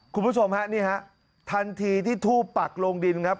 คุณผู้ชมฮะนี่ฮะทันทีที่ทูบปักลงดินครับ